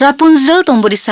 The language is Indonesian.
rapunzel tumbuh di sana